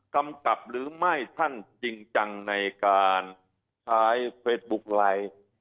กำกับหรือไม่ท่านจริงจังในการใช้เฟสบุ๊คไลค์